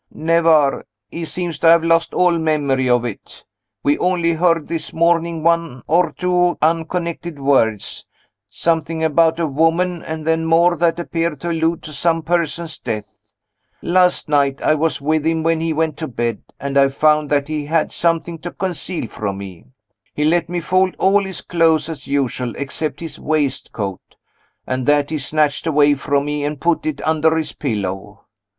"Never! He seems to have lost all memory of it. We only heard, this morning, one or two unconnected words something about a woman, and then more that appeared to allude to some person's death. Last night I was with him when he went to bed, and I found that he had something to conceal from me. He let me fold all his clothes, as usual, except his waistcoat and that he snatched away from me, and put it under his pillow.